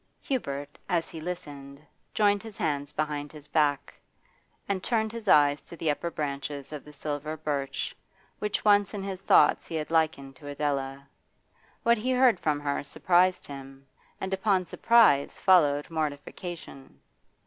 Hubert, as he listened, joined his hands behind his back, and turned his eyes to the upper branches of the silver birch, which once in his thoughts he had likened to Adela. What he heard from her surprised him, and upon surprise followed mortification.